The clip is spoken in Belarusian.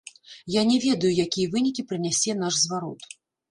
Я не ведаю, якія вынікі прынясе наш зварот.